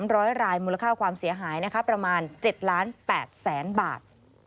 ร้อยรายมูลค่าความเสียหายนะคะประมาณ๗ล้าน๘แสนบาท